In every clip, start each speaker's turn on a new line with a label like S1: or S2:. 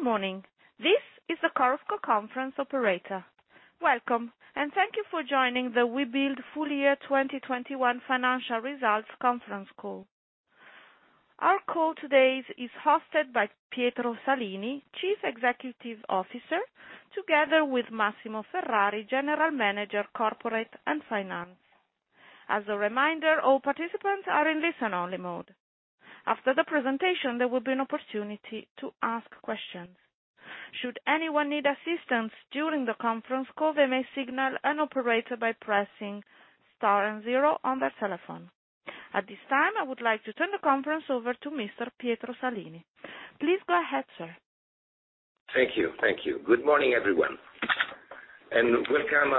S1: Good morning. This is the Chorus Call conference operator. Welcome, and thank you for joining the Webuild Full Year 2021 Financial Results Conference Call. Our call today is hosted by Pietro Salini, Chief Executive Officer, together with Massimo Ferrari, General Manager, Corporate and Finance. As a reminder, all participants are in listen-only mode. After the presentation, there will be an opportunity to ask questions. Should anyone need assistance during the conference call, they may signal an operator by pressing star and zero on their telephone. At this time, I would like to turn the conference over to Mr. Pietro Salini. Please go ahead, sir.
S2: Thank you. Good morning, everyone, and welcome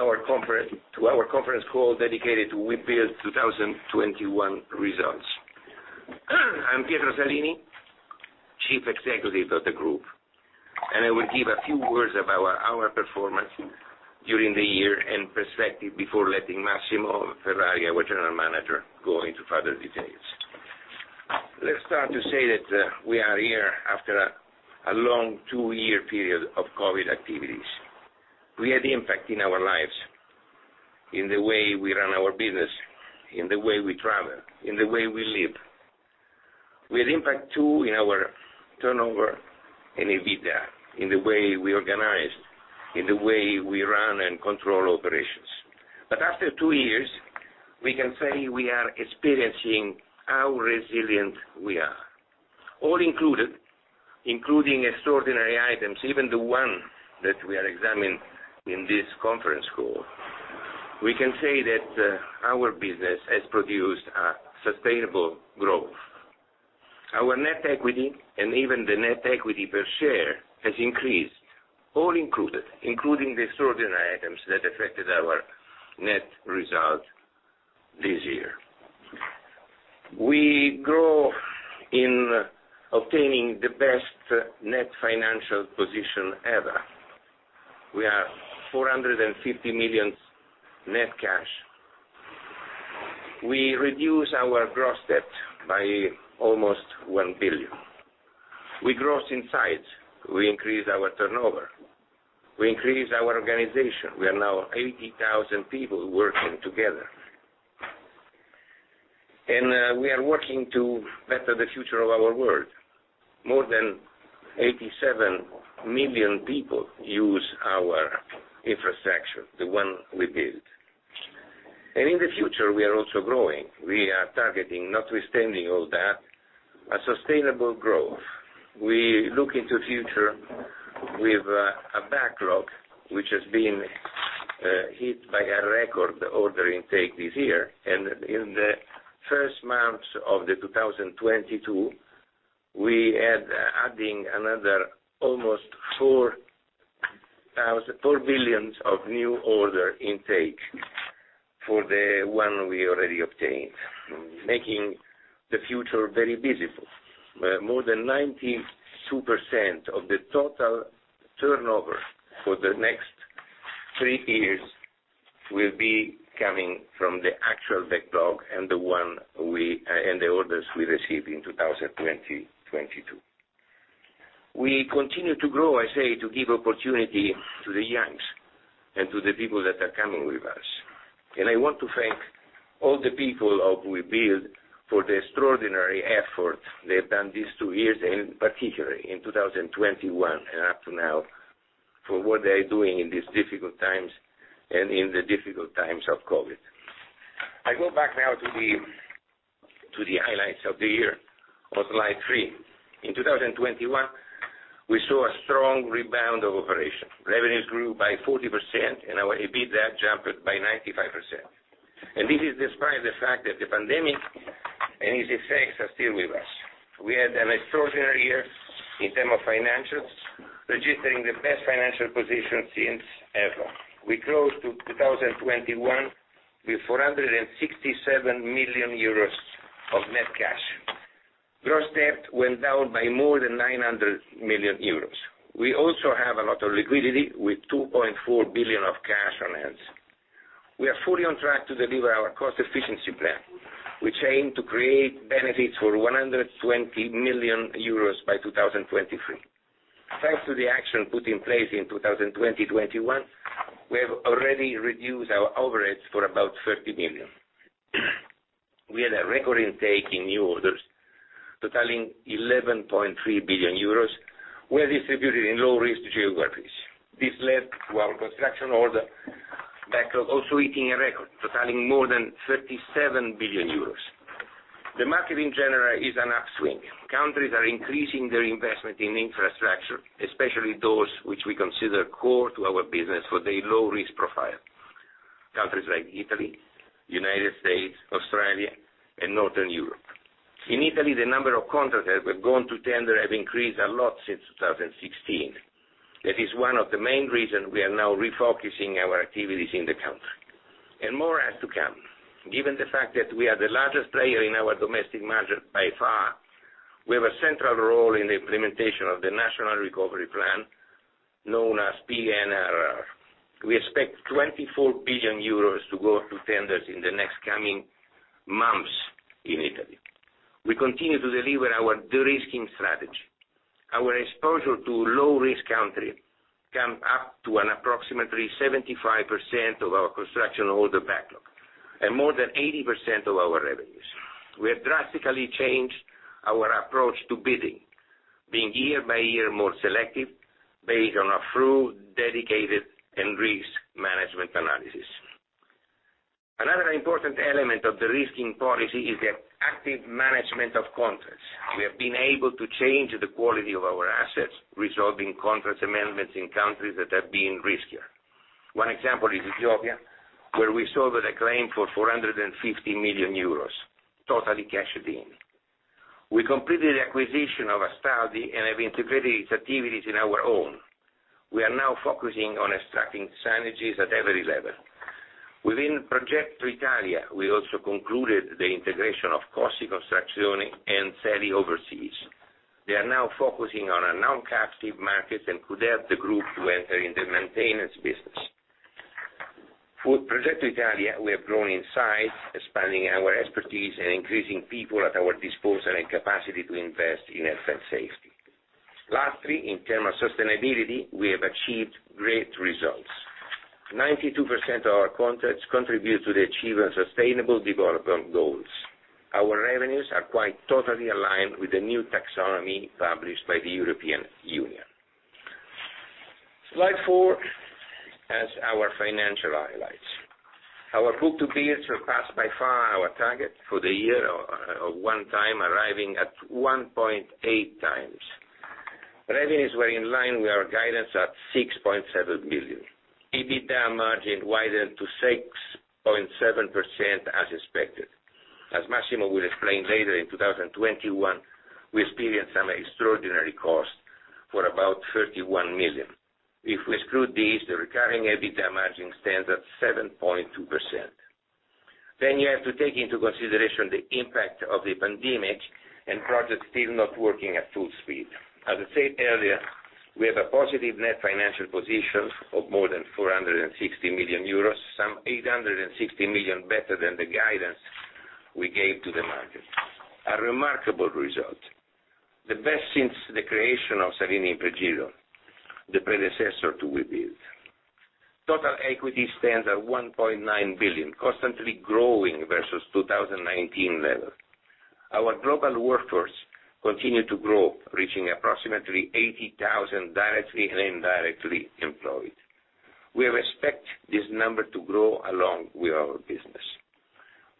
S2: to our conference call dedicated to Webuild 2021 results. I'm Pietro Salini, Chief Executive of the group, and I will give a few words about our performance during the year and perspective before letting Massimo Ferrari, our General Manager, go into further details. Let's start to say that we are here after a long two-year period of COVID activities. We had impact in our lives, in the way we run our business, in the way we travel, in the way we live. We had impact, too, in our turnover and EBITDA, in the way we organized, in the way we run and control operations. But after two years, we can say we are experiencing how resilient we are. All included, including extraordinary items, even the one that we are examining in this conference call, we can say that, our business has produced a sustainable growth. Our net equity and even the net equity per share has increased. All included, including the extraordinary items that affected our net result this year. We grow in obtaining the best net financial position ever. We are 450 million net cash. We reduce our gross debt by almost 1 billion. We grow in size. We increase our turnover. We increase our organization. We are now 80,000 people working together. We are working to better the future of our world. More than 87 million people use our infrastructure, the one we build. In the future, we are also growing. We are targeting, notwithstanding all that, a sustainable growth. We look into future with a backlog, which has been hit by a record order intake this year. In the first months of 2022, we had added another almost 4 billion of new order intake for the one we already obtained, making the future very visible. More than 92% of the total turnover for the next three years will be coming from the actual backlog and the orders we received in 2022. We continue to grow, I say, to give opportunity to the young and to the people that are coming with us. I want to thank all the people of Webuild for the extraordinary effort they have done these two years, and particularly in 2021 and up to now, for what they are doing in these difficult times and in the difficult times of COVID. I go back now to the highlights of the year on slide three. In 2021, we saw a strong rebound in operations. Revenues grew by 40%, and our EBITDA jumped by 95%. This is despite the fact that the pandemic and its effects are still with us. We had an extraordinary year in terms of financials, registering the best financial position ever. We closed 2021 with 467 million euros of net cash. Gross debt went down by more than 900 million euros. We also have a lot of liquidity with 2.4 billion of cash on hand. We are fully on track to deliver our cost efficiency plan, which aim to create benefits for 120 million euros by 2023. Thanks to the action put in place in 2020-2021, we have already reduced our overheads for about 30 million. We had a record intake in new orders totaling 11.3 billion euros. We're distributed in low-risk geographies. This led to our construction order backlog also hitting a record, totaling more than 37 billion euros. The market in general is an upswing. Countries are increasing their investment in infrastructure, especially those which we consider core to our business for their low-risk profile. Countries like Italy, United States, Australia, and Northern Europe. In Italy, the number of contracts that were going to tender have increased a lot since 2016. That is one of the main reasons we are now refocusing our activities in the country. More is to come. Given the fact that we are the largest player in our domestic market by far, we have a central role in the implementation of the National Recovery and Resilience Plan, known as PNRR. We expect 24 billion euros to go to tenders in the next coming months in Italy. We continue to deliver our de-risking strategy. Our exposure to low risk country came up to approximately 75% of our construction order backlog, and more than 80% of our revenues. We have drastically changed our approach to bidding, being year by year more selective based on a thorough, dedicated and risk management analysis. Another important element of de-risking policy is the active management of contracts. We have been able to change the quality of our assets, resolving contract amendments in countries that have been riskier. One example is Ethiopia, where we solved a claim for 450 million euros, totally cashed in. We completed the acquisition of Astaldi and have integrated its activities in our own. We are now focusing on extracting synergies at every level. Within Progetto Italia, we also concluded the integration, of course, in construction and CD overseas. They are now focusing on a non-captive markets and could help the group to enter in the maintenance business. For Progetto Italia, we have grown in size, expanding our expertise and increasing people at our disposal and capacity to invest in health and safety. Lastly, in terms of sustainability, we have achieved great results. 92% of our contracts contribute to the achievement of Sustainable Development Goals. Our revenues are quite totally aligned with the new taxonomy published by the European Union. Slide four has our financial highlights. Our book-to-bill surpassed by far our target for the year of 1.0x, arriving at 1.8x. Revenues were in line with our guidance at 6.7 billion. EBITDA margin widened to 6.7% as expected. As Massimo will explain later, in 2021, we experienced some extraordinary costs for about 31 million. If we exclude these, the recurring EBITDA margin stands at 7.2%. You have to take into consideration the impact of the pandemic and projects still not working at full speed. As I said earlier, we have a positive net financial position of more than 460 million euros, some 860 million better than the guidance we gave to the market. A remarkable result, the best since the creation of Salini Impregilo, the predecessor to Webuild. Total equity stands at 1.9 billion, constantly growing versus 2019 level. Our global workforce continue to grow, reaching approximately 80,000 directly and indirectly employed. We expect this number to grow along with our business.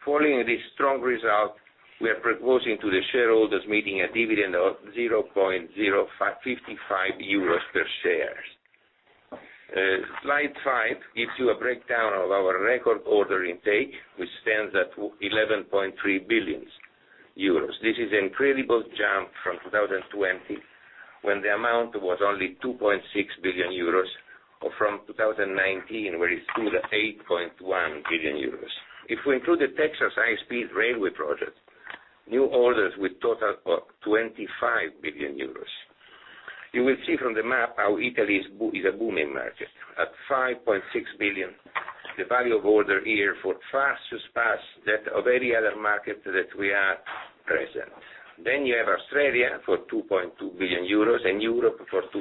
S2: Following this strong result, we are proposing to the shareholders meeting a dividend of 0.055 euros per share. Slide five gives you a breakdown of our record order intake, which stands at 11.3 billion euros. This is an incredible jump from 2020 when the amount was only 2.6 billion euros, or from 2019, where it stood at 8.1 billion euros. If we include the Texas High Speed Rail project, new orders will total 25 billion euros. You will see from the map how Italy is a booming market. At 5.6 billion, the value of order here for us surpass that of any other market that we are present. Then you have Australia for 2.2 billion euros and Europe for 2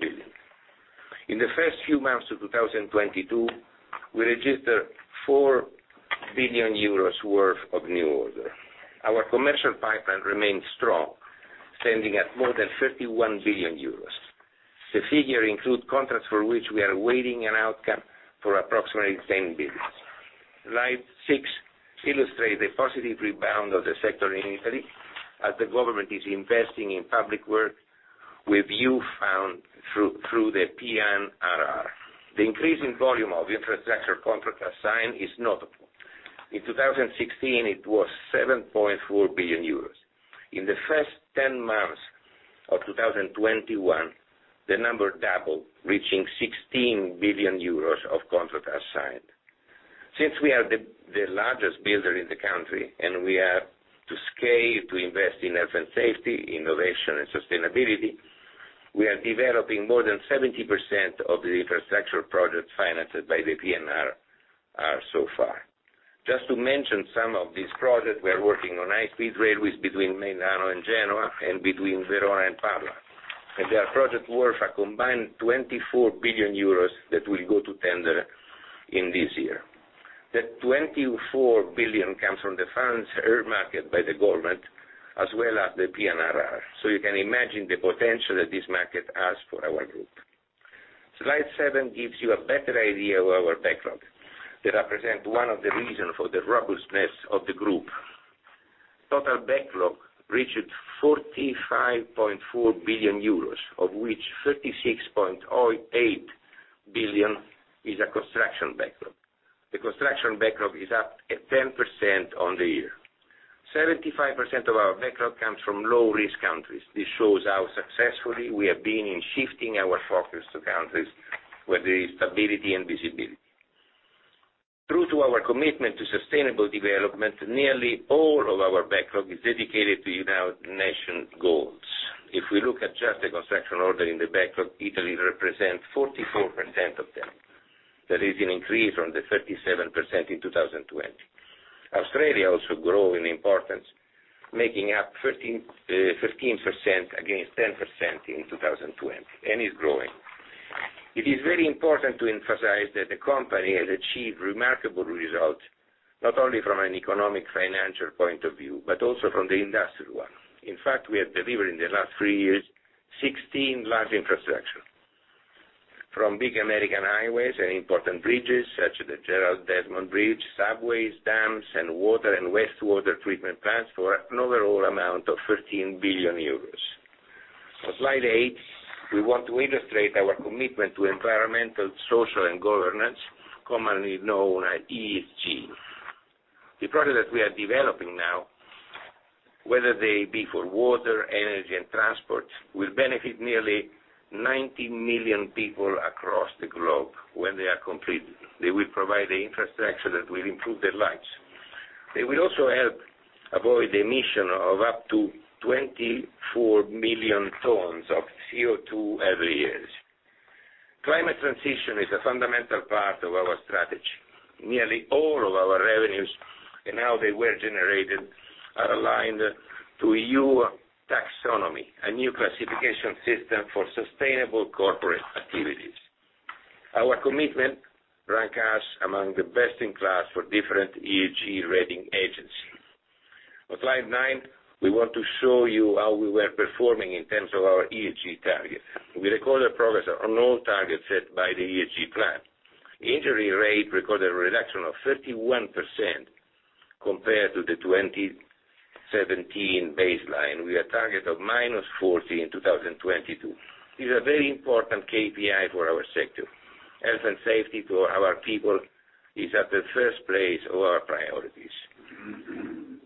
S2: billion. In the first few months of 2022, we registered 4 billion euros worth of new order. Our commercial pipeline remains strong, standing at more than 51 billion euros. The figures include contracts for which we are awaiting an outcome for approximately 10 billion. Slide six illustrates the positive rebound of the sector in Italy, as the government is investing in public works with funding through the PNRR. The increase in volume of infrastructure contracts assigned is notable. In 2016, it was 7.4 billion euros. In the first 10 months of 2021, the number doubled, reaching 16 billion euros of contracts assigned. Since we are the largest builder in the country, and we are best placed to invest in health and safety, innovation, and sustainability, we are developing more than 70% of the infrastructure projects financed by the PNRR so far. Just to mention some of these projects, we are working on high-speed railways between Milan and Genoa, and between Verona and Padua. They are projects worth a combined 24 billion euros that will go to tender in this year. The 24 billion comes from the funds earmarked by the government, as well as the PNRR. You can imagine the potential that this market has for our group. Slide seven gives you a better idea of our backlog. They represent one of the reasons for the robustness of the group. Total backlog reached 45.4 billion euros, of which 36.08 billion is a construction backlog. The construction backlog is up 10% on the year. 75% of our backlog comes from low risk countries. This shows how successfully we have been in shifting our focus to countries where there is stability and visibility. True to our commitment to sustainable development, nearly all of our backlog is dedicated to United Nations goals. If we look at just the construction order in the backlog, Italy represents 44% of them. That is an increase from the 37% in 2020. Australia also grow in importance, making up 15% against 10% in 2020, and is growing. It is very important to emphasize that the company has achieved remarkable results, not only from an economic financial point of view, but also from the industrial one. In fact, we have delivered in the last three years 16 large infrastructure. From big American highways and important bridges, such as the Gerald Desmond Bridge, subways, dams, and water and wastewater treatment plants, for an overall amount of 13 billion euros. On slide eight, we want to illustrate our commitment to environmental, social and governance, commonly known as ESG. The products that we are developing now, whether they be for water, energy, and transport, will benefit nearly 90 million people across the globe when they are completed. They will provide the infrastructure that will improve their lives. They will also help avoid the emission of up to 24 million tons of CO2 every year. Climate transition is a fundamental part of our strategy. Nearly all of our revenues, and how they were generated, are aligned to EU taxonomy, a new classification system for sustainable corporate activities. Our commitment rank us among the best in class for different ESG rating agencies. On slide nine, we want to show you how we were performing in terms of our ESG targets. We recorded progress on all targets set by the ESG plan. Injury rate recorded a reduction of 31% compared to the 2017 baseline, with a target of -40% in 2022. These are very important KPIs for our sector. Health and safety to our people is at the first place of our priorities.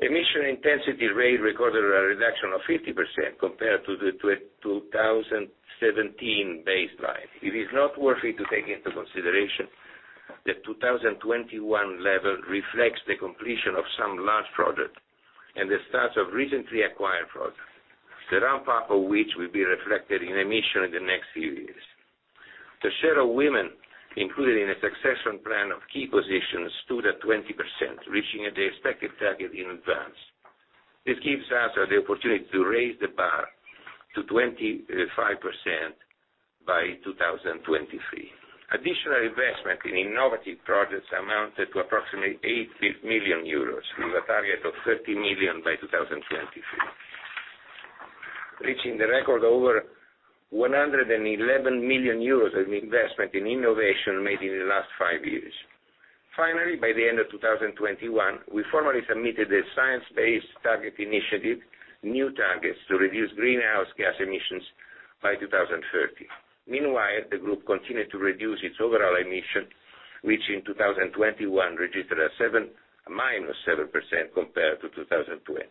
S2: Emission intensity rate recorded a reduction of 50% compared to the 2017 baseline. It is noteworthy to take into consideration that the 2021 level reflects the completion of some large projects and the start of recently acquired projects, the ramp-up of which will be reflected in emissions in the next few years. The share of women included in a succession plan of key positions stood at 20%, reaching the expected target in advance. This gives us the opportunity to raise the bar to 25% by 2023. Additional investment in innovative projects amounted to approximately 8 million euros, with a target of 30 million by 2023. Reaching the record over 111 million euros of investment in innovation made in the last five years. Finally, by the end of 2021, we formally submitted a Science Based Targets initiative, new targets to reduce greenhouse gas emissions by 2030. Meanwhile, the group continued to reduce its overall emission, which in 2021 registered a -7% compared to 2020.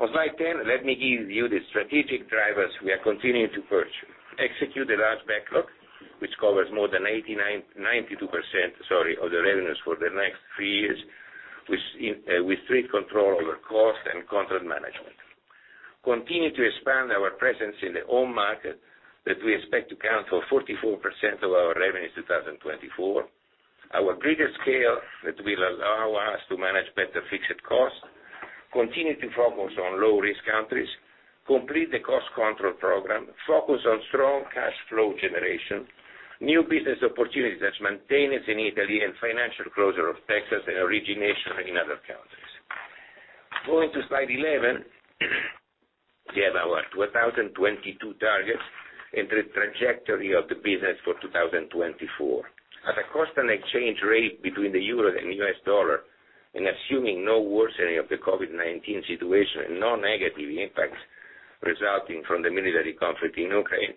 S2: On slide 10, let me give you the strategic drivers we are continuing to pursue. Execute a large backlog, which covers more than 92%, sorry, of the revenues for the next three years, with strict control over cost and contract management. Continue to expand our presence in the home market that we expect to account for 44% of our revenue in 2024. Our greater scale that will allow us to manage better fixed costs. Continue to focus on low-risk countries. Complete the cost control program. Focus on strong cash flow generation. New business opportunities as maintenance in Italy and financial closure of Texas and origination in other countries. Go to slide 11. We have our 2022 targets and the trajectory of the business for 2024. At a constant exchange rate between the euro and U.S. dollar, and assuming no worsening of the COVID-19 situation and no negative impact resulting from the military conflict in Ukraine,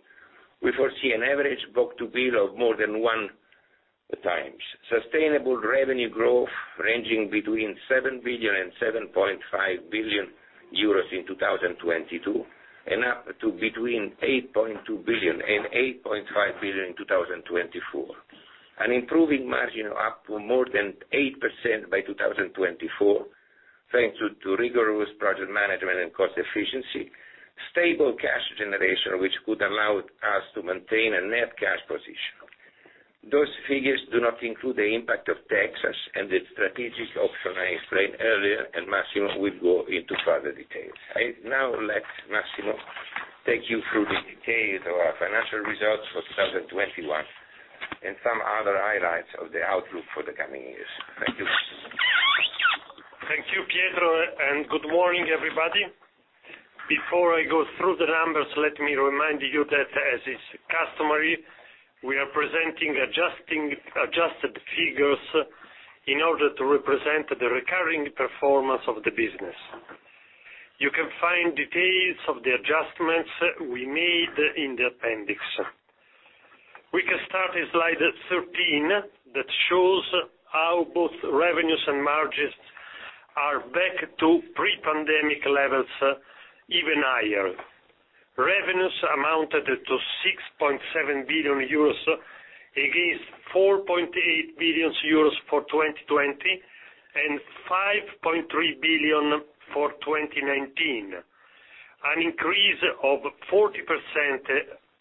S2: we foresee an average book-to-bill of more than 1.0x. Sustainable revenue growth ranging between 7 billion and 7.5 billion euros in 2022, and up to between 8.2 billion and 8.5 billion in 2024. An improving margin up to more than 8% by 2024, thanks to rigorous project management and cost efficiency. Stable cash generation, which could allow us to maintain a net cash position. Those figures do not include the impact of Texas and the strategic option I explained earlier, and Massimo will go into further details. I now let Massimo take you through the details of our financial results for 2021 and some other highlights of the outlook for the coming years. Thank you, Massimo.
S3: Thank you, Pietro, and good morning, everybody. Before I go through the numbers, let me remind you that as is customary, we are presenting adjusted figures in order to represent the recurring performance of the business. You can find details of the adjustments we made in the appendix. We can start in slide 13, that shows how both revenues and margins are back to pre-pandemic levels, even higher. Revenues amounted to 6.7 billion euros against 4.8 billion euros for 2020, and 5.3 billion for 2019. An increase of 40%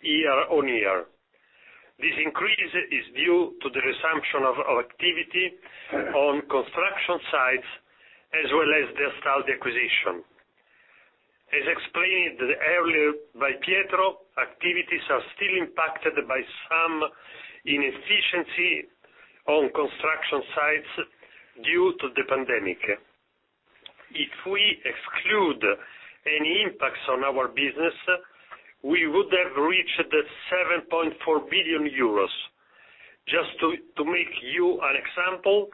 S3: year-on-year. This increase is due to the resumption of activity on construction sites, as well as the Astaldi acquisition. As explained earlier by Pietro, activities are still impacted by some inefficiency on construction sites due to the pandemic. If we exclude any impacts on our business, we would have reached 7.4 billion euros. Just to make you an example,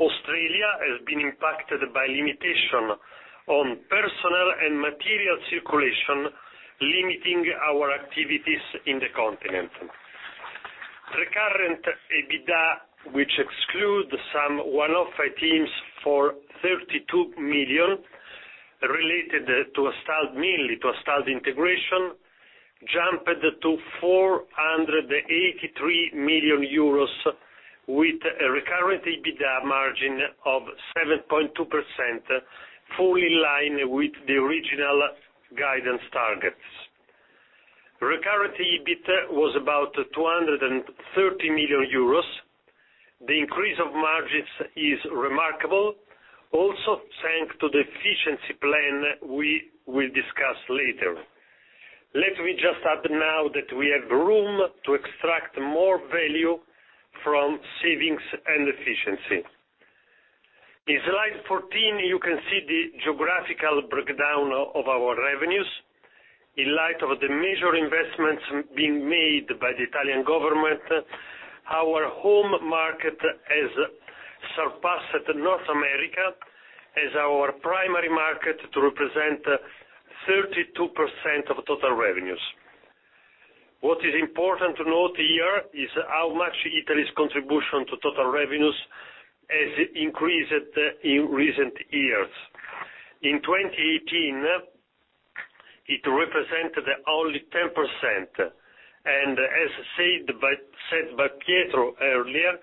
S3: Australia has been impacted by limitation on personal and material circulation, limiting our activities in the continent. Recurrent EBITDA, which excludes some one-off items for 32 million, related to Astaldi, mainly to Astaldi integration, jumped to 483 million euros with a recurrent EBITDA margin of 7.2%, fully in line with the original guidance targets. Recurrent EBIT was about 230 million euros. The increase of margins is remarkable, also thanks to the efficiency plan we will discuss later. Let me just add now that we have room to extract more value from savings and efficiency. In slide 14, you can see the geographical breakdown of our revenues. In light of the major investments being made by the Italian government, our home market has surpassed North America as our primary market to represent 32% of total revenues. What is important to note here is how much Italy's contribution to total revenues has increased in recent years. In 2018, it represented only 10%. As said by Pietro earlier,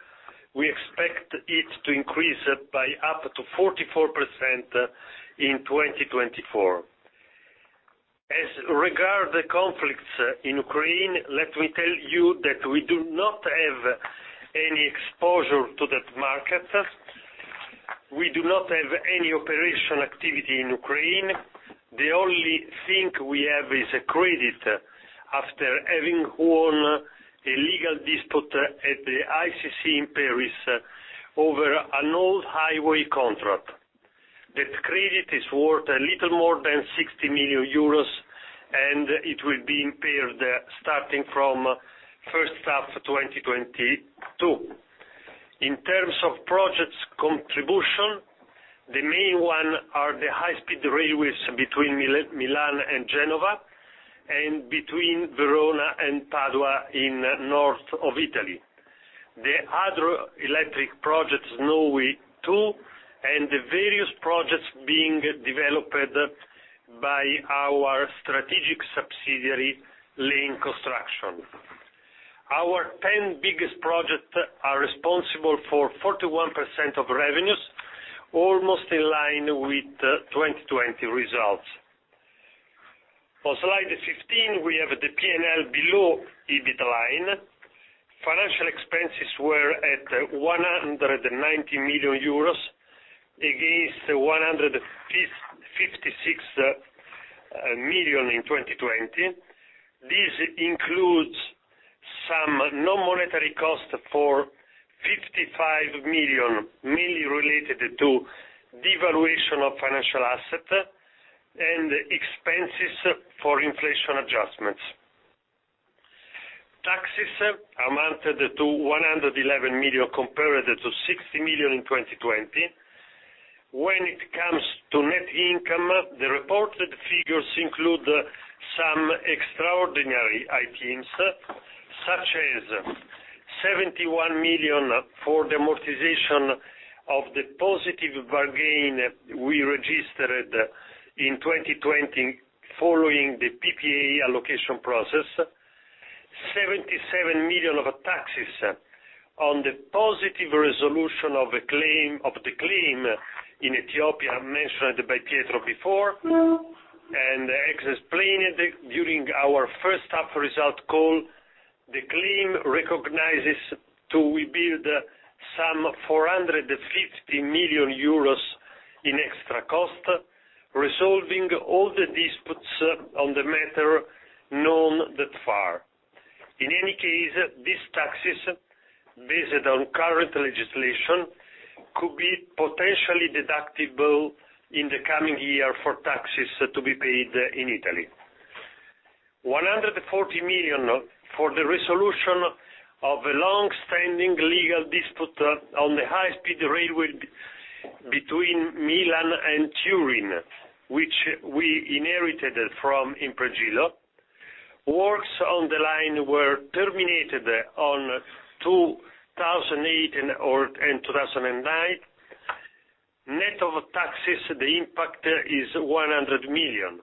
S3: we expect it to increase by up to 44% in 2024. As regards the conflicts in Ukraine, let me tell you that we do not have any exposure to that market. We do not have any operational activity in Ukraine. The only thing we have is a credit, after having won a legal dispute at the ICC in Paris over an old highway contract. That credit is worth a little more than 60 million euros, and it will be impaired starting from first half 2022. In terms of projects contribution, the main ones are the high-speed railways between Milan and Genoa, and between Verona and Padua in north of Italy, the hydroelectric projects, Snowy 2.0, and the various projects being developed by our strategic subsidiary, Lane Construction. Our 10 biggest projects are responsible for 41% of revenues, almost in line with 2020 results. On slide 15, we have the P&L below EBIT line. Financial expenses were at 190 million euros, against 156 million in 2020. This includes some non-monetary cost for 55 million, mainly related to devaluation of financial asset and expenses for inflation adjustments. Taxes amounted to 111 million, compared to 60 million in 2020. When it comes to net income, the reported figures include some extraordinary items, such as 71 million for the amortization of the positive bargain we registered in 2020, following the PPA allocation process. 77 million of taxes on the positive resolution of a claim, of the claim in Ethiopia, mentioned by Pietro before. As explained during our first half result call, the claim recognizes to Webuild some 450 million euros in extra cost, resolving all the disputes on the matter known that far. In any case, these taxes, based on current legislation, could be potentially deductible in the coming year for taxes to be paid in Italy. 140 million for the resolution of a long-standing legal dispute on the high-speed railway between Milan and Turin which we inherited from Impregilo. Works on the line were terminated in 2008 and 2009. Net of taxes, the impact is 100 million.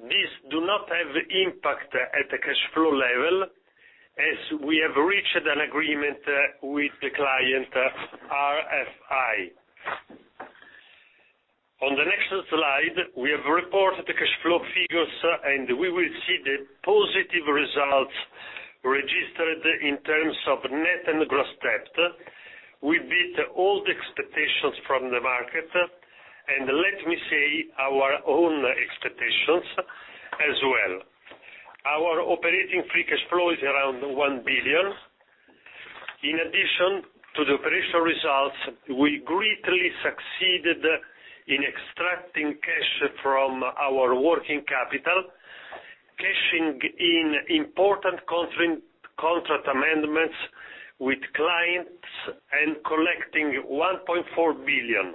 S3: This does not have impact at the cash flow level, as we have reached an agreement with the client, RFI. On the next slide, we have reported the cash flow figures, and we will see the positive results registered in terms of net and gross debt. We beat all the expectations from the market, and let me say, our own expectations as well. Our operating free cash flow is around 1 billion. In addition to the operational results, we greatly succeeded in extracting cash from our working capital, cashing in important contract amendments with clients, and collecting 1.4 billion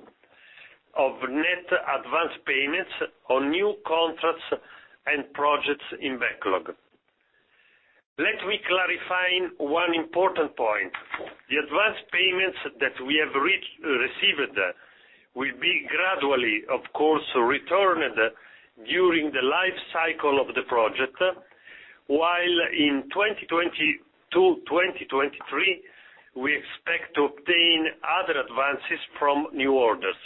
S3: of net advanced payments on new contracts and projects in backlog. Let me clarify one important point. The advanced payments that we have received will be gradually, of course, returned during the life cycle of the project, while in 2022-2023, we expect to obtain other advances from new orders.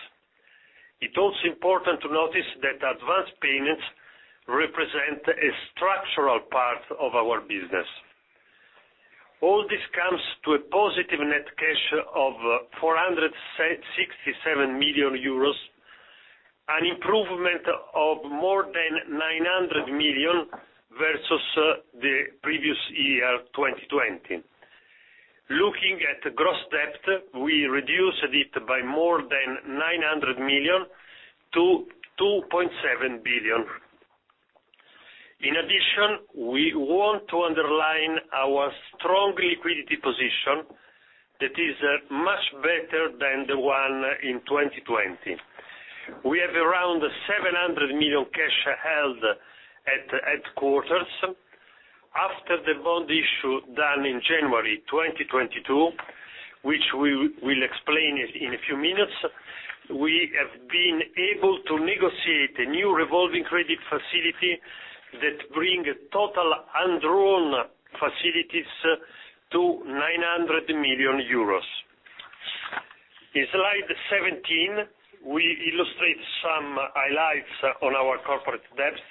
S3: It's also important to notice that advanced payments represent a structural part of our business. All this comes to a positive net cash of 467 million euros, an improvement of more than 900 million, versus the previous year, 2020. Looking at gross debt, we reduced it by more than 900 million to 2.7 billion. In addition, we want to underline our strong liquidity position, that is much better than the one in 2020. We have around 700 million cash held at headquarters. After the bond issue done in January 2022, which we will explain in a few minutes, we have been able to negotiate a new revolving credit facility that bring total undrawn facilities to 900 million euros. In slide 17, we illustrate some highlights on our corporate debts.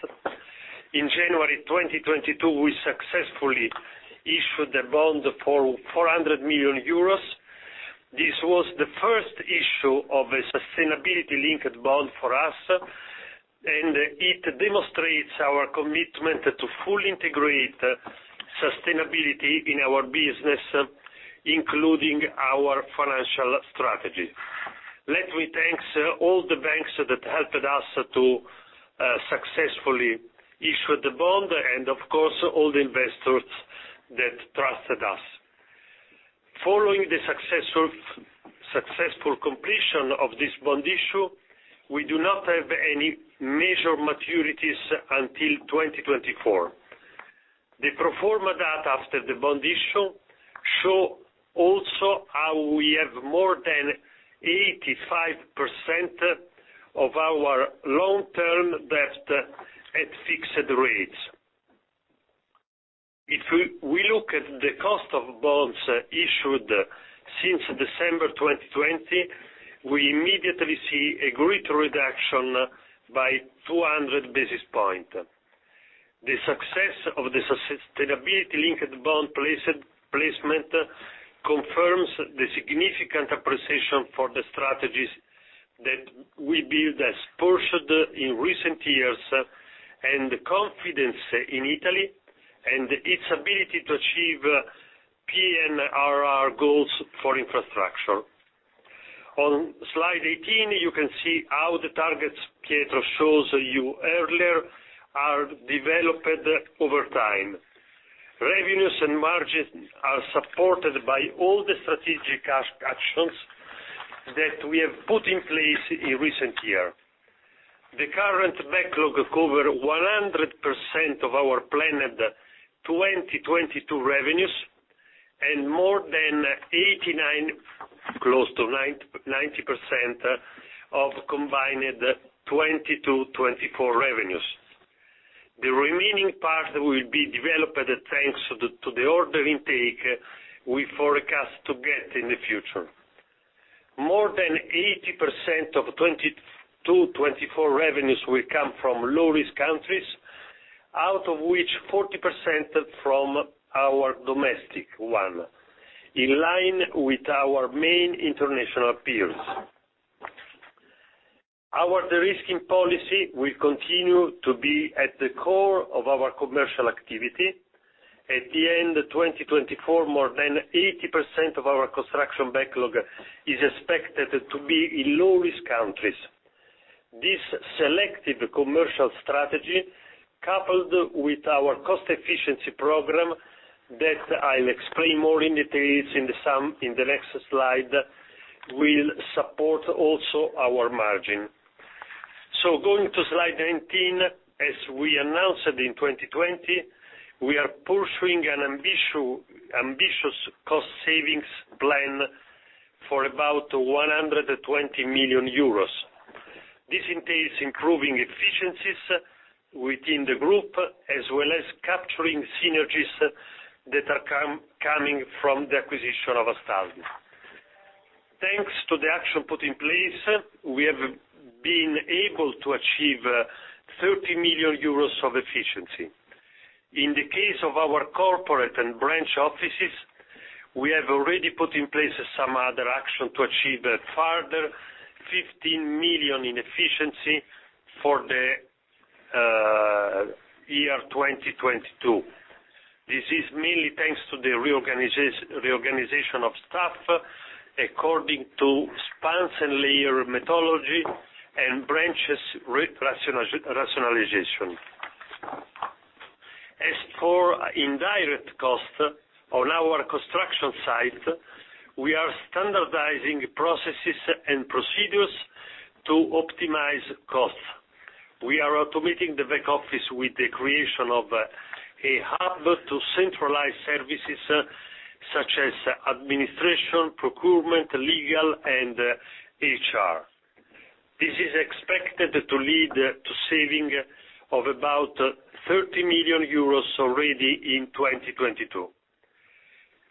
S3: In January 2022, we successfully issued a bond for 400 million euros. This was the first issue of a Sustainability-Linked Bond for us, and it demonstrates our commitment to fully integrate sustainability in our business, including our financial strategy. Let me thank all the banks that helped us to successfully issue the bond, and of course, all the investors that trusted us. Following the successful completion of this bond issue, we do not have any major maturities until 2024. The pro forma data after the bond issue show also how we have more than 85% of our long-term debt at fixed rates. If we look at the cost of bonds issued since December 2020, we immediately see a great reduction by 200 basis points. The success of the Sustainability-Linked Bond placement confirms the significant appreciation for the strategies that we build as posted in recent years, and confidence in Italy, and its ability to achieve PNRR goals for infrastructure. On slide 18, you can see how the targets Pietro shows you earlier are developed over time. Revenues and margins are supported by all the strategic actions that we have put in place in recent years. The current backlog covers 100% of our planned 2022 revenues, and more than 89%, close to 90% of combined 2022-2024 revenues. The remaining part will be developed thanks to the order intake we forecast to get in the future. More than 80% of 2022-2024 revenues will come from low-risk countries, out of which 40% from our domestic one, in line with our main international peers. Our de-risking policy will continue to be at the core of our commercial activity. At the end of 2024, more than 80% of our construction backlog is expected to be in low-risk countries. This selective commercial strategy, coupled with our cost efficiency program that I'll explain more in details in the next slide, will support also our margin. Going to slide 19. As we announced in 2020, we are pursuing an ambitious cost savings plan for about 120 million euros. This entails improving efficiencies within the group, as well as capturing synergies that are coming from the acquisition of Astaldi. Thanks to the action put in place, we have been able to achieve 30 million euros of efficiency. In the case of our corporate and branch offices, we have already put in place some other action to achieve a further 15 million in efficiency for the year 2022. This is mainly thanks to the reorganization of staff according to spans and layers methodology and branches rationalization. As for indirect costs, on our construction site, we are standardizing processes and procedures to optimize costs. We are automating the back office with the creation of a hub to centralize services such as administration, procurement, legal, and HR. This is expected to lead to saving of about 30 million euros already in 2022.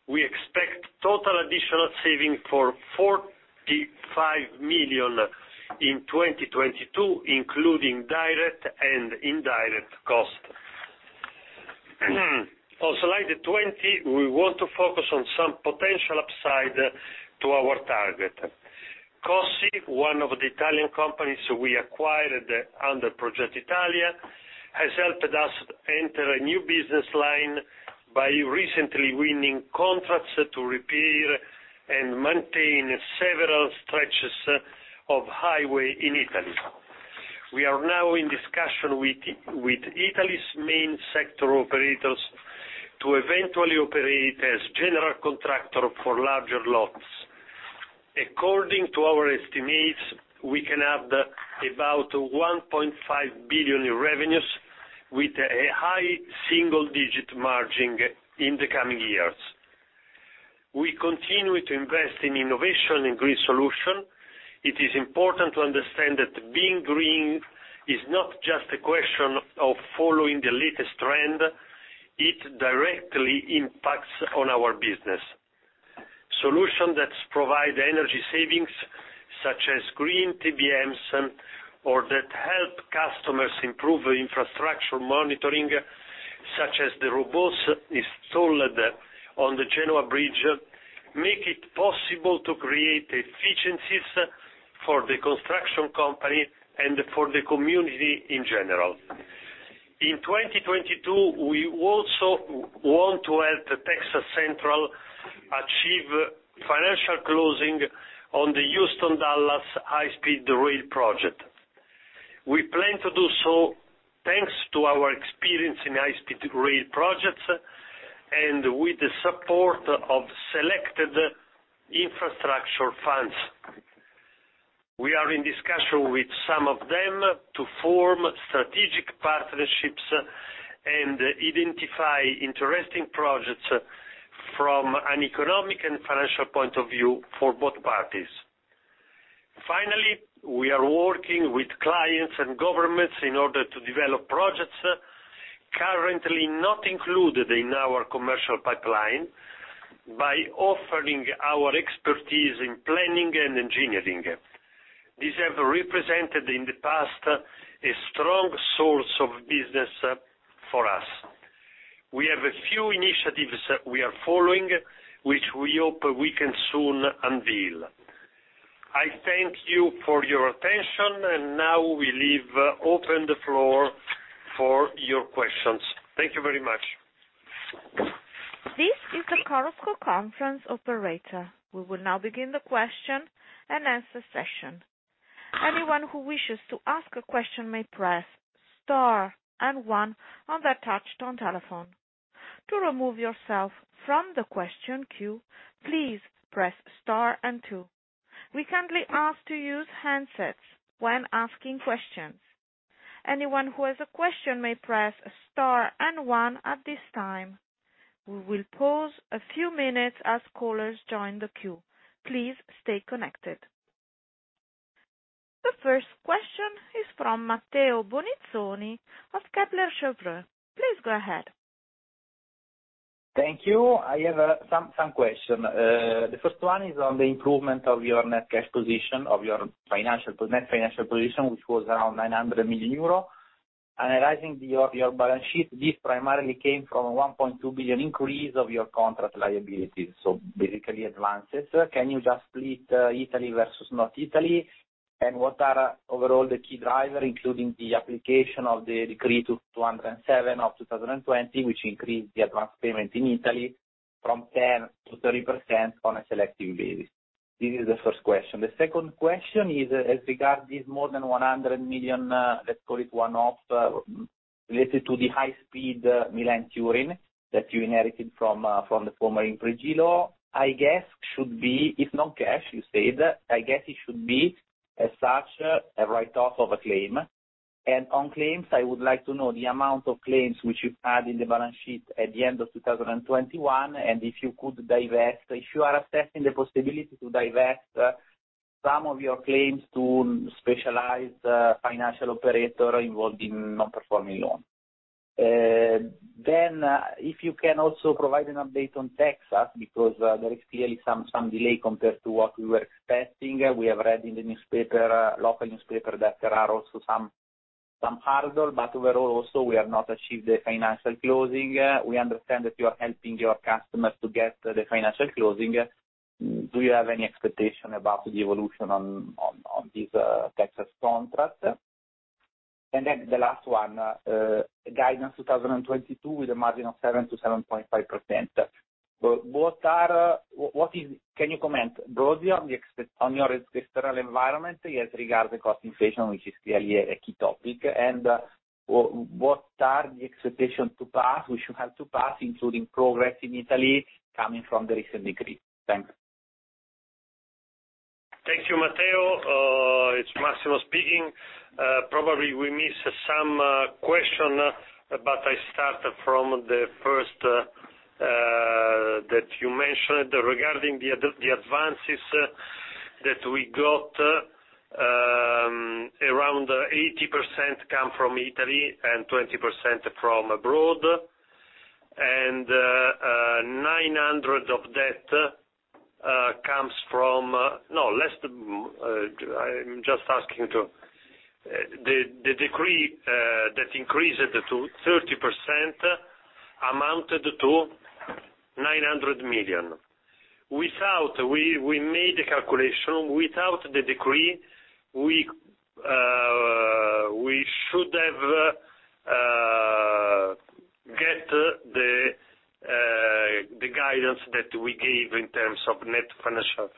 S3: We expect total additional saving for 45 million in 2022, including direct and indirect costs. On slide 20, we want to focus on some potential upside to our target. Cossi, one of the Italian companies we acquired under Progetto Italia, has helped us enter a new business line by recently winning contracts to repair and maintain several stretches of highway in Italy. We are now in discussion with Italy's main sector operators to eventually operate as general contractor for larger lots. According to our estimates, we can add about 1.5 billion in revenues with a high single-digit margin in the coming years. We continue to invest in innovation and green solution. It is important to understand that being green is not just a question of following the latest trend, it directly impacts on our business. Solutions that provide energy savings, such as green TBMs, or that help customers improve infrastructure monitoring, such as the robots installed on the Genoa Bridge, make it possible to create efficiencies for the construction company and for the community in general. In 2022, we also want to help Texas Central achieve financial closing on the Houston-Dallas High Speed Rail project. We plan to do so thanks to our experience in high-speed rail projects and with the support of selected infrastructure funds. We are in discussion with some of them to form strategic partnerships and identify interesting projects from an economic and financial point of view for both parties. Finally, we are working with clients and governments in order to develop projects currently not included in our commercial pipeline by offering our expertise in planning and engineering. These have represented in the past a strong source of business for us. We have a few initiatives we are following, which we hope we can soon unveil. I thank you for your attention, and now we leave open the floor for your questions. Thank you very much.
S1: This is the Chorus Call conference operator. We will now begin the question-and-answer session. Anyone who wishes to ask a question may press star and one on their touchtone telephone. To remove yourself from the question queue, please press star and two. We kindly ask to use handsets when asking questions. Anyone who has a question may press star and one at this time. We will pause a few minutes as callers join the queue. Please stay connected. The first question is from Matteo Bonizzoni of Kepler Cheuvreux. Please go ahead.
S4: Thank you. I have some question. The first one is on the improvement of your net cash position, of your net financial position, which was around 900 million euro. Analyzing your balance sheet, this primarily came from 1.2 billion increase of your contract liabilities, so basically advances. Can you just split Italy versus not Italy? And what are overall the key driver, including the application of Decree 207 of 2020, which increased the advance payment in Italy from 10%-30% on a selective basis? This is the first question. The second question is as regards this more than 100 million, let's call it one-off, related to the high-speed Milan-Turin that you inherited from the former Impregilo. I guess it should be as such, a write-off of a claim. On claims, I would like to know the amount of claims which you had in the balance sheet at the end of 2021, and if you could divest. If you are assessing the possibility to divest some of your claims to a specialized financial operator involved in non-performing loans. Then, if you can also provide an update on Texas, because there is clearly some delay compared to what we were expecting. We have read in the local newspaper that there are also some hurdles, but overall we have not achieved the financial closing. We understand that you are helping your customers to get the financial closing. Do you have any expectation about the evolution of this Texas contract? Then the last one, guidance 2022 with a margin of 7%-7.5%. Can you comment broadly on your external environment as regards the cost inflation, which is clearly a key topic? What are the expectations to pass we should have to pass, including progress in Italy coming from the recent decree? Thanks.
S3: Thank you, Matteo. It's Massimo speaking. Probably we missed some question, but I start from the first that you mentioned regarding the advances that we got, around 80% come from Italy and 20% from abroad. Nine hundred of that comes from. No, less. I'm just asking to. The decree that increased it to 30% amounted to 900 million. Without, we made a calculation, without the decree, we should have get the guidance that we gave in terms of net financial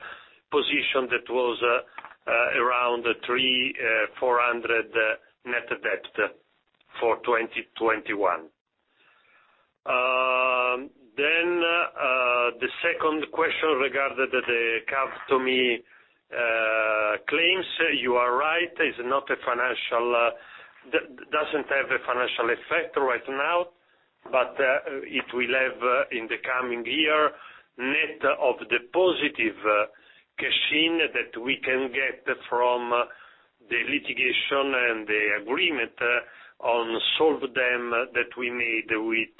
S3: position that was around 300-400 net debt for 2021. The second question regarding the Khartoum claims, you are right. It's not a financial, doesn't have a financial effect right now, but it will have in the coming year, net of the positive cash in that we can get from the litigation and the agreement on solve them that we made with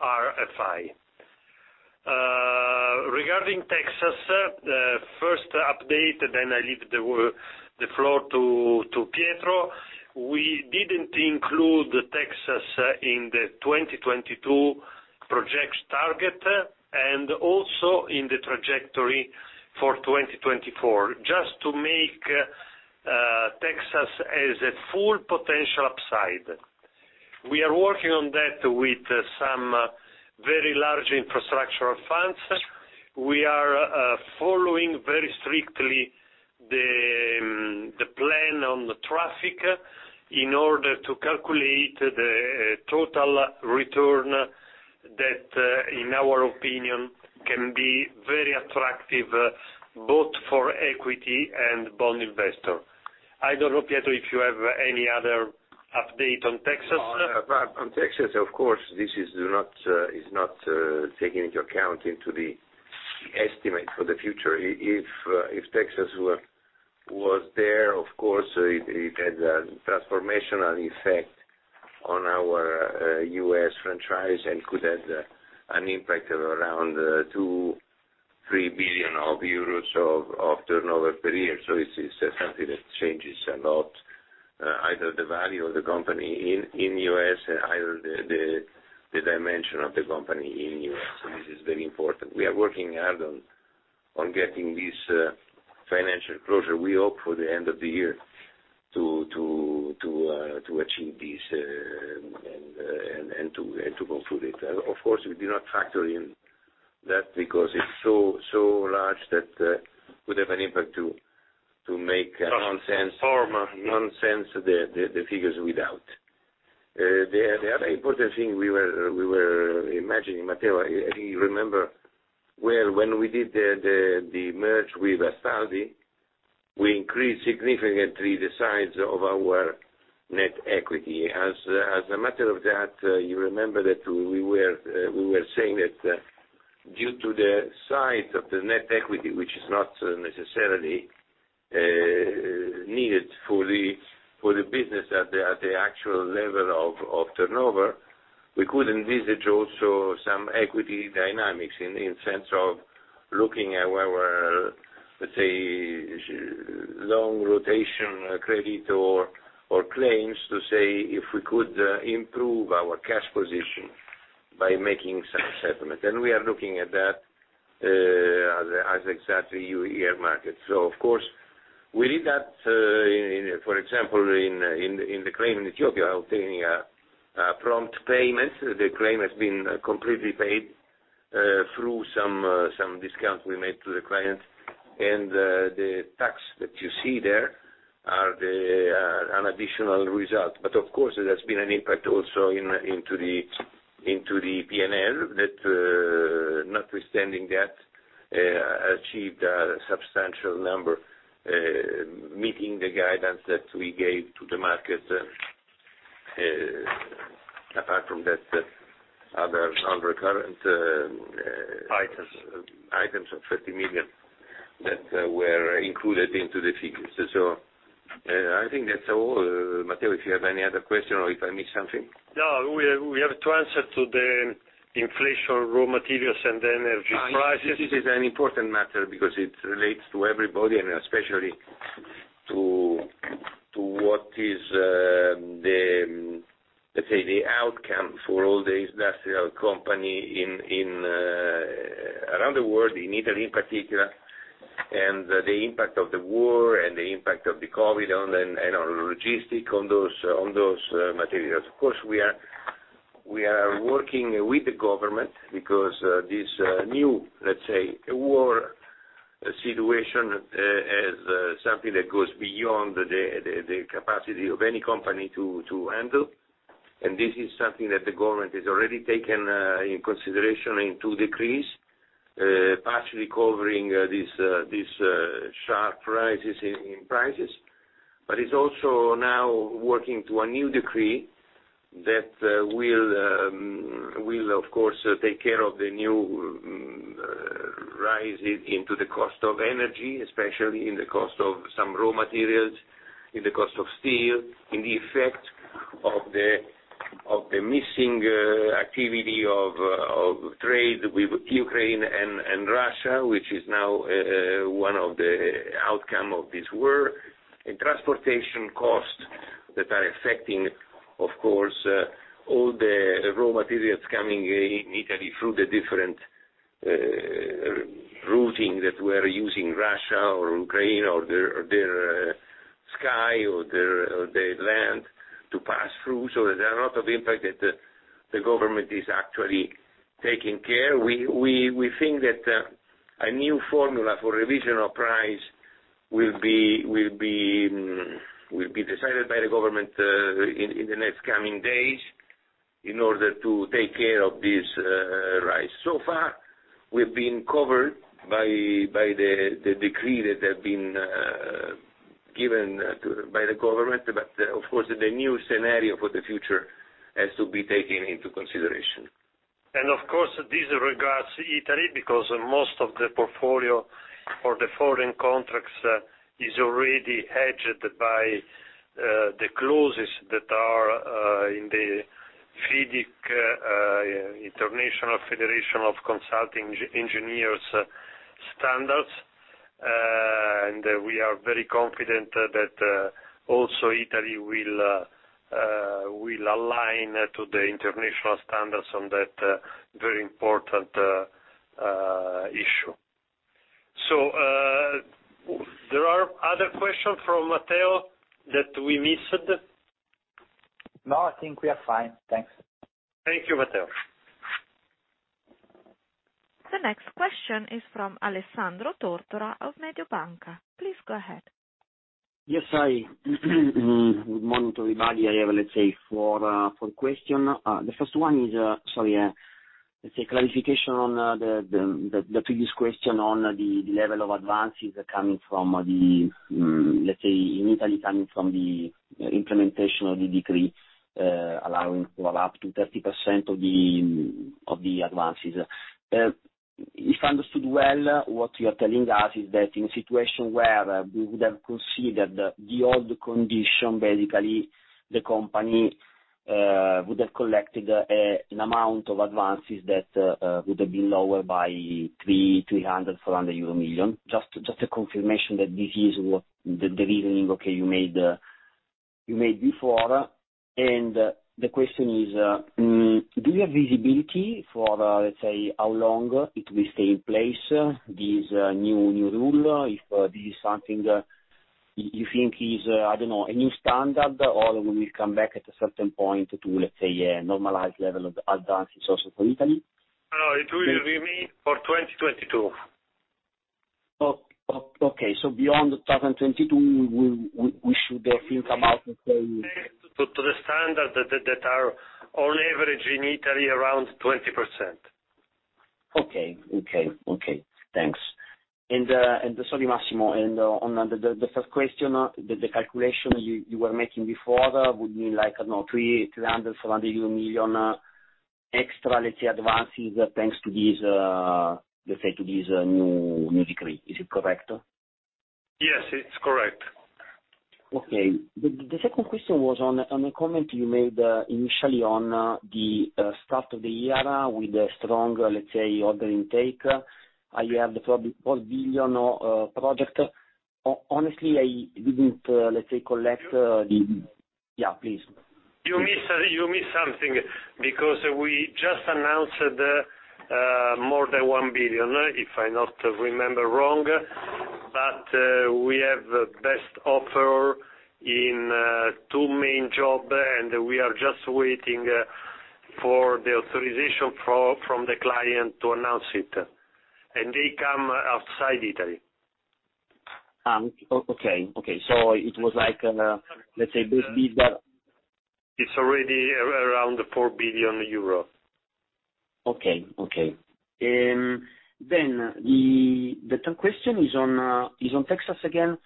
S3: RFI. Regarding Texas, the first update, then I leave the floor to Pietro. We didn't include Texas in the 2022 projects target and also in the trajectory for 2024, just to make Texas as a full potential upside. We are working on that with some very large infrastructural funds. We are following very strictly the plan on the traffic in order to calculate the total return that in our opinion can be very attractive both for equity and bond investor. I don't know, Pietro, if you have any other update on Texas.
S2: On Texas, of course, this is not taking into account the estimate for the future. If Texas were there, of course, it has a transformational effect on our U.S. franchise and could have an impact of around 2 billion-3 billion euros of turnover per year. It is something that changes a lot, either the value of the company in U.S. or either the dimension of the company in U.S. This is very important. We are working hard on getting this financial closure. We hope for the end of the year to achieve this and to conclude it. Of course, we do not factor in that because it's so large that would have an impact to make no sense of the figures without. The other important thing we were imagining, Matteo, if you remember, when we did the merger with Astaldi, we increased significantly the size of our net equity. As a matter of that, you remember that we were saying that due to the size of the net equity, which is not necessarily needed for the business at the actual level of turnover, we could envisage also some equity dynamics in the sense of looking at our, let's say, long-term revolving credit or claims to see if we could improve our cash position by making some settlement. We are looking at that as exactly as you hear from the market. Of course we did that, in, for example, in the claim in Ethiopia, obtaining a prompt payment. The claim has been completely paid through some discounts we made to the client. The tax that you see there are the an additional result. Of course, there has been an impact also in the P&L that, notwithstanding that, achieved a substantial number meeting the guidance that we gave to the market. Apart from that, the other non-recurrent-
S3: Items....
S2: items of 50 million that were included into the figures. I think that's all. Matteo, if you have any other question or if I missed something.
S3: No, we have to answer to the inflation of raw materials and energy prices.
S2: This is an important matter because it relates to everybody and especially to what is the outcome for all the industrial company in and around the world, in Italy in particular, and the impact of the war and the impact of the COVID on logistics on those materials. Of course, we are working with the government because this new war situation is something that goes beyond the capacity of any company to handle. This is something that the government has already taken in consideration in two decrees, partially covering these sharp rises in prices. It's also now working to a new decree that will of course take care of the new rise in the cost of energy, especially in the cost of some raw materials, in the cost of steel, in the effect of the missing activity of trade with Ukraine and Russia, which is now one of the outcomes of this war. Transportation costs that are affecting, of course, all the raw materials coming in Italy through the different routing that we're using Russia or Ukraine or their sea or their land to pass through. There are a lot of impacts that the government is actually taking care of. We think that a new formula for revision of price will be decided by the government in the next coming days in order to take care of this rise. So far, we've been covered by the decree that have been given by the government. Of course, the new scenario for the future has to be taken into consideration.
S3: Of course, this regards Italy, because most of the portfolio for the foreign contracts is already hedged by the clauses that are in the FIDIC International Federation of Consulting Engineers standards. We are very confident that also Italy will align to the international standards on that very important issue. There are other questions from Matteo that we missed?
S4: No, I think we are fine. Thanks.
S3: Thank you, Matteo.
S1: The next question is from Alessandro Tortora of Mediobanca. Please go ahead.
S5: Good morning to everybody. I have, let's say, four questions. The first one is, let's say, clarification on the previous question on the level of advances coming from the, let's say, in Italy, coming from the implementation of the decree allowing for up to 30% of the advances. If I understood well, what you are telling us is that in a situation where we would have considered the old condition, basically, the company would have collected an amount of advances that would have been lower by 300 million-400 million euro. Just a confirmation that this is what the reasoning, okay, you made before. The question is, do you have visibility for, let's say, how long it will stay in place, this new rule? If this is something you think is, I don't know, a new standard or will it come back at a certain point to, let's say, a normalized level of advances also for Italy?
S3: No, it will remain for 2022.
S5: Beyond 2022, we should think about the same...
S3: To the standards that are on average in Italy, around 20%.
S5: Okay. Thanks. Sorry, Massimo, on the first question, the calculation you were making before would mean like, I don't know, 300 million-400 million extra, let's say, advances, thanks to this, let's say, to this new decree. Is it correct?
S3: Yes, it's correct.
S5: Okay. The second question is on a comment you made initially on the start of the year with a strong, let's say, order intake. You have the 4 billion project. Honestly, I didn't, let's say, collect-
S3: Mm-hmm.
S5: Yeah, please.
S3: You missed something because we just announced more than 1 billion, if I not remember wrong. We have the best offer in two main job, and we are just waiting for the authorization from the client to announce it. They come outside Italy.
S5: It was like, let's say this bid that...
S3: It's already around 4 billion euro.
S5: Okay. The third question is on Texas again.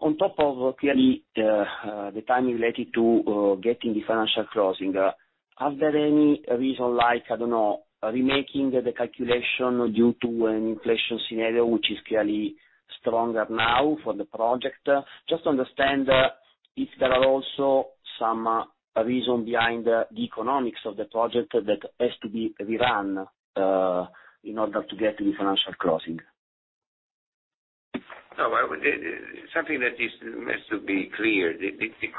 S5: On top of clearly the time related to getting the financial closing, are there any reason like, I don't know, remaking the calculation due to an inflation scenario which is clearly stronger now for the project? Just understand if there are also some reason behind the economics of the project that has to be rerun in order to get the financial closing.
S2: No, something that has to be clear. The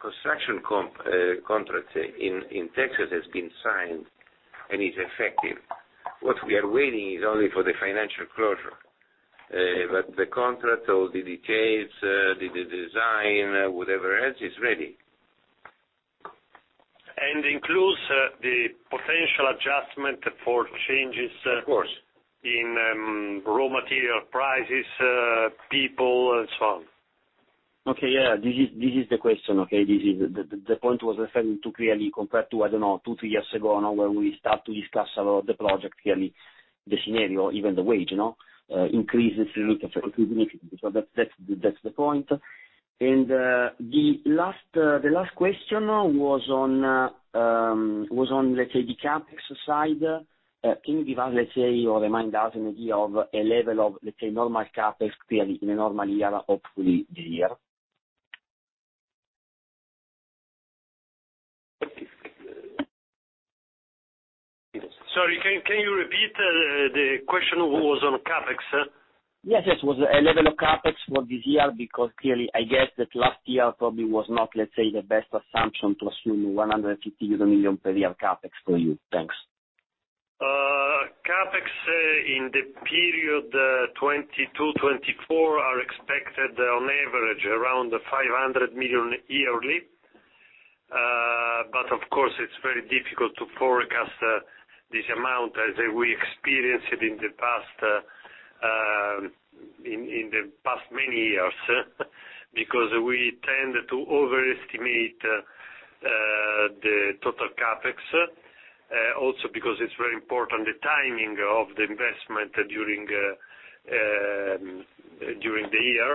S2: construction contract in Texas has been signed and is effective. What we are waiting is only for the financial closure. The contract, all the details, the design, whatever else, is ready.
S3: Includes the potential adjustment for changes-
S2: Of course....
S3: in raw material prices, people and so on.
S5: Okay, yeah. This is the question, okay. This is the point was referring to clearly compared to, I don't know, two, three years ago now when we start to discuss a lot of the project, clearly the scenario, even the wage, you know, increases significantly. That's the point. The last question was on, let's say, the CapEx side. Can you give us, let's say, or remind us an idea of a level of, let's say, normal CapEx clearly in a normal year, hopefully this year?
S3: Sorry, can you repeat? The question was on CapEx.
S5: Yes, yes. It was a level of CapEx for this year, because clearly, I guess that last year probably was not, let's say, the best assumption to assume 150 million euro per year CapEx for you. Thanks.
S3: CapEx in the period 2022-2024 are expected on average around 500 million yearly. Of course it's very difficult to forecast this amount as we experienced it in the past many years. Because we tend to overestimate the total CapEx also because it's very important the timing of the investment during the year.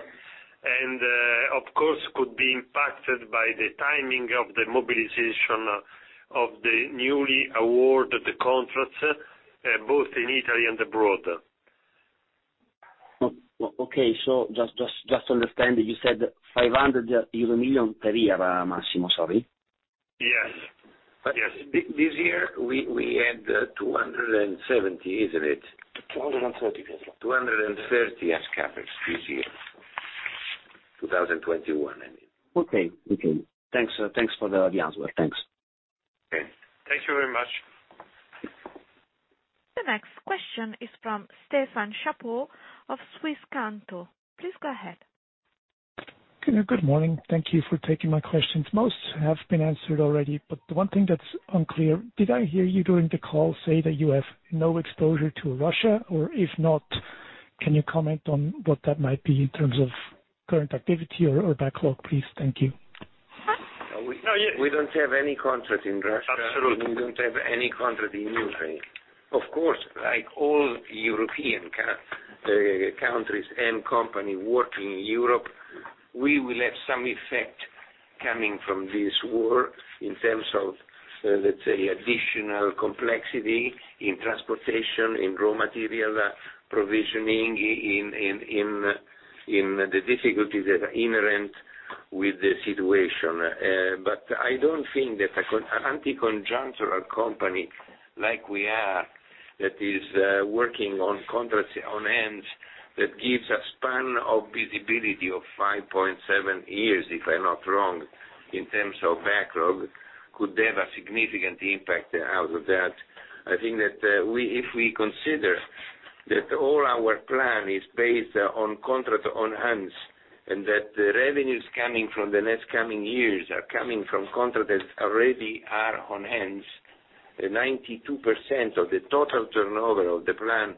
S3: Of course it could be impacted by the timing of the mobilization of the newly awarded contracts both in Italy and abroad.
S5: Okay. Just to understand, you said 500 million euro per year, Massimo? Sorry?
S3: Yes. Yes.
S2: This year we had 270 million, isn't it?
S3: 230 million.
S2: 230 million as CapEx this year. 2021, I mean.
S5: Okay. Thanks for the answer. Thanks.
S2: Okay.
S3: Thank you very much.
S1: The next question is from Stefan Chappot of Swisscanto. Please go ahead.
S6: Good morning. Thank you for taking my questions. Most have been answered already, but the one thing that's unclear, did I hear you during the call say that you have no exposure to Russia? Or if not, can you comment on what that might be in terms of current activity or backlog, please? Thank you.
S2: We don't have any contract in Russia.
S3: Absolutely.
S2: We don't have any contract in Ukraine. Of course, like all European countries and companies working in Europe, we will have some effect coming from this war in terms of, let's say additional complexity in transportation, in raw material provisioning, in the difficulties that are inherent with the situation. But I don't think that a counter-cyclical company like we are, that is, working on contracts on hand, that gives a span of visibility of 5.7 years, if I'm not wrong, in terms of backlog, could have a significant impact out of that. I think that if we consider that all our plan is based on contract on hands and that the revenues coming from the next coming years are coming from contract that already are on hands, 92% of the total turnover of the plan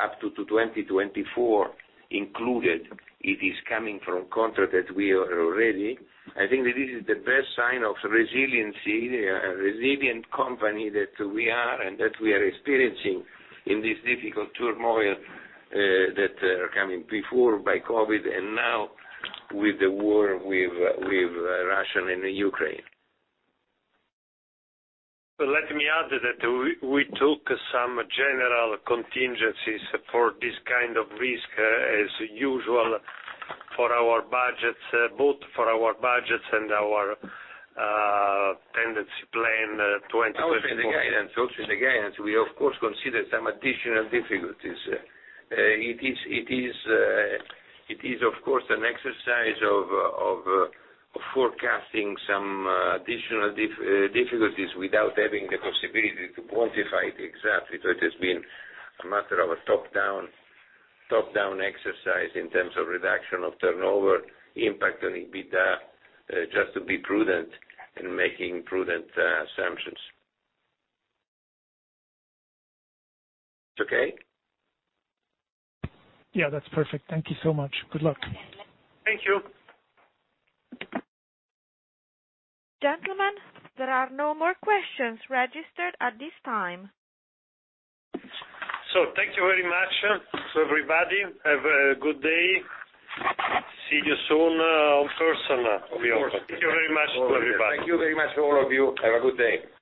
S2: up to 2024 included, it is coming from contract that we are already. I think that this is the best sign of resiliency, a resilient company that we are and that we are experiencing in this difficult turmoil that coming before by COVID and now with the war with Russia and Ukraine.
S3: Let me add that we took some general contingencies for this kind of risk as usual for our budgets, both for our budgets and our ten-year plan 2024.
S2: Also in the guidance we of course consider some additional difficulties. It is of course an exercise of forecasting some additional difficulties without having the possibility to quantify it exactly. It has been a matter of a top-down exercise in terms of reduction of turnover, impact on EBITDA, just to be prudent in making prudent assumptions. Okay?
S6: Yeah, that's perfect. Thank you so much. Good luck.
S2: Thank you.
S1: Gentlemen, there are no more questions registered at this time.
S3: Thank you very much to everybody. Have a good day. See you soon, of course.
S2: Of course.
S3: Thank you very much to everybody.
S2: Thank you very much to all of you. Have a good day.